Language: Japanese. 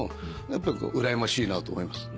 やっぱりうらやましいと思います。